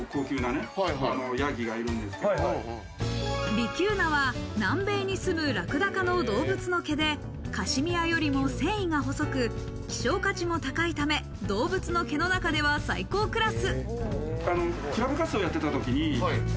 ビキューナは南米にすむラクダ科の動物の毛で、カシミアよりも繊維が細く、希少価値も高いため、動物の毛の中では最高クラス。